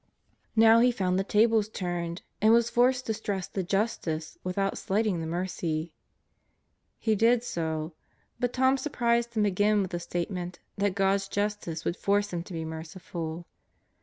Now he found the tables turned, and was forced to stress the justice without slight ing the mercy. He did so. But Tom surprised him again with the statement that God's justice would force Him to be merciful.